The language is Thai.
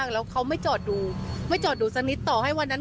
แล้วเขาไม่จอดดูไม่จอดดูสักนิดต่อให้วันนั้น